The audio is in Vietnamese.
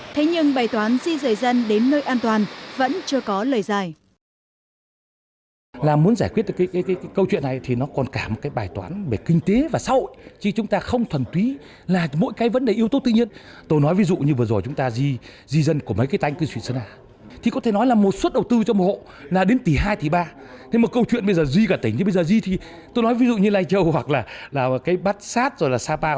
thế nhưng bài toán di dời dân đến nơi an toàn vẫn chưa có lời giải